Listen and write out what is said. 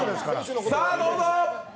さあどうぞ！